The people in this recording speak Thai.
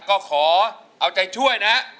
ก็ขอเอาใจช่วยนะ